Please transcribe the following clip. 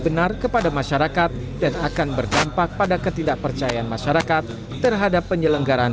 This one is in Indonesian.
benar kepada masyarakat dan akan berdampak pada ketidakpercayaan masyarakat terhadap penyelenggaraan